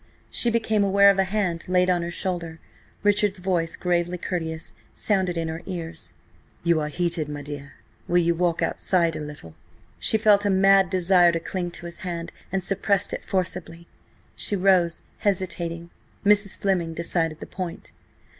She became aware of a hand laid on her shoulder. Richard's voice, gravely courteous, sounded in her ears. "You are heated, my dear. Will you walk outside a little?" She felt a mad desire to cling to his hand, and suppressed it forcibly. She rose, hesitating. Mrs. Fleming decided the point.